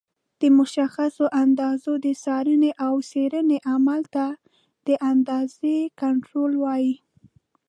د مشخصو اندازو د څارنې او څېړنې عمل ته د اندازې کنټرول وایي.